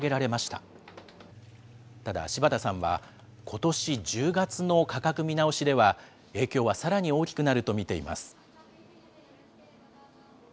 ただ、柴田さんはことし１０月の価格見直しでは、影響はさらに大きくなると見ています。